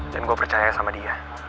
dan gue percaya sama dia